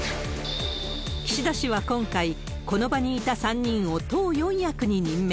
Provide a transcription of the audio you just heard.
岸田氏は今回、この場にいた３人を党四役に任命。